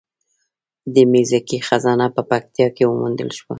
د میرزکې خزانه په پکتیا کې وموندل شوه